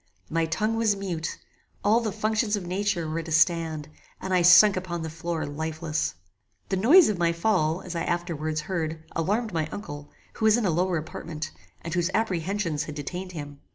My tongue was mute; all the functions of nature were at a stand, and I sunk upon the floor lifeless. The noise of my fall, as I afterwards heard, alarmed my uncle, who was in a lower apartment, and whose apprehensions had detained him.